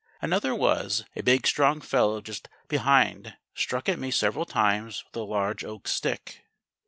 "Another was, a big strong fellow just behind struck at me several times with a large oak stick.